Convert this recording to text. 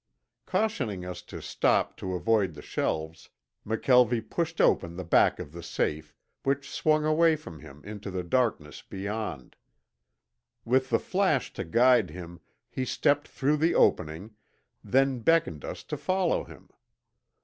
Cautioning us to stoop to avoid the shelves, McKelvie pushed open the back of the safe, which swung away from him into the darkness beyond. With the flash to guide him he stepped through the opening, then beckoned us to follow him.